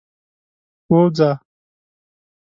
ووځی.